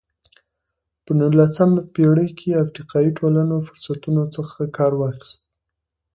په نولسمه پېړۍ کې افریقایي ټولنو فرصتونو څخه کار واخیست.